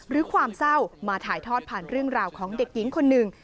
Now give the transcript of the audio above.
ความเศร้ามาถ่ายทอดผ่านเรื่องราวของเด็กหญิงคนหนึ่ง